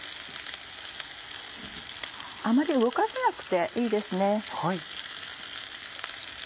あまり動かさなくていいですね。